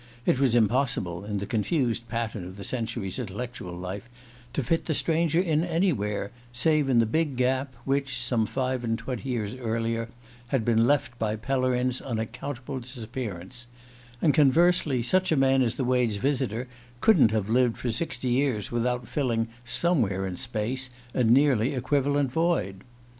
It was impossible, in the confused pattern of the century's intellectual life, to fit the stranger in anywhere, save in the big gap which, some five and twenty years earlier, had been left by Pellerin's unaccountable disappearance; and conversely, such a man as the Wades' visitor couldn't have lived for sixty years without filling, somewhere in space, a nearly equivalent void.